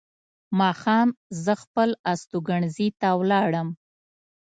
ماښام زه خپل استوګنځي ته ولاړم.